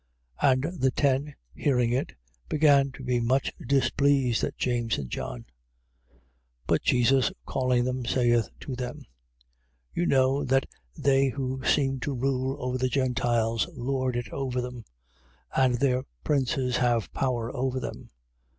10:41. And the ten, hearing it, began to be much displeased at James and John. 10:42. But Jesus calling them, saith to them: You know that they who seem to rule over the Gentiles lord it over them: and their princes have power over them.